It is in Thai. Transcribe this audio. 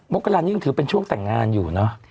กรานี้ยังถือเป็นช่วงแต่งงานอยู่เนอะ